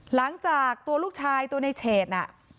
หลังจากตัวลูกชายตัวในเฉดน่ะ